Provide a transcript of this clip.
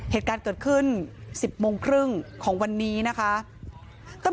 เหตุการณ์เกิดขึ้น๑๐โมงครึ่งของวันนี้นะคะ